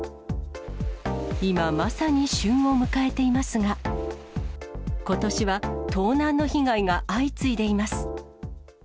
今まさに旬を迎えていますが、ことしは盗難の被害が相次いでいます。